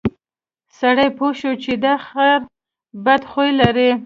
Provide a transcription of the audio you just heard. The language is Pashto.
سړي پوه شو چې دا خر بد خوی لري.